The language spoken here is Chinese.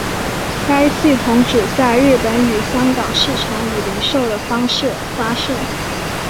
该系统只在日本与香港市场以零售的方式发售。